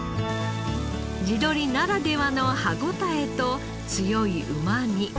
地鶏ならではの歯応えと強いうまみ。